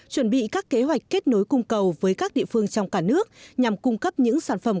chuẩn bị các kế hoạch kết nối cung cầu với các địa phương trong cả nước nhằm cung cấp những sản phẩm